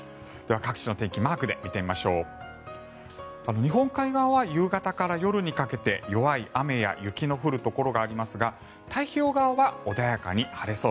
各地の天気マークで見てみましょう。